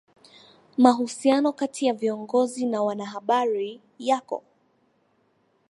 mahusiano kati ya viongozi na wanahabari yako